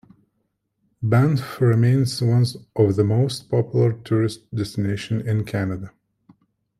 Banff remains one of the most popular tourist destinations in Canada.